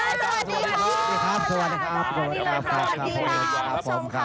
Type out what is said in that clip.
สวัสดีครับ